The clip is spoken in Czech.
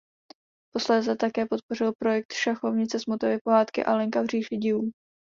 Posléze také podpořil projekt šachovnice s motivy pohádky Alenka v říši divů.